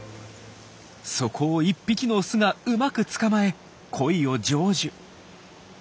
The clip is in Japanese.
そこを１匹のオスがうまく捕まえ恋を成就。